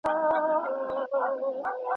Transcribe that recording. هغه وويل چي پلان يې جوړ کړی دی.